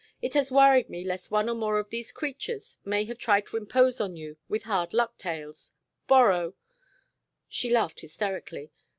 It has worried me lest one or more of these creatures may have tried to impose on you with hard luck tales borrow " She laughed hysterically.